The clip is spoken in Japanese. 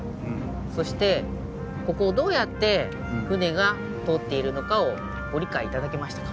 そしてここをどうやって船が通っているのかをご理解頂けましたか？